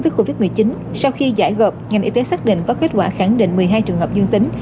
với covid một mươi chín sau khi giải gợp ngành y tế xác định có kết quả khẳng định một mươi hai trường hợp dương tính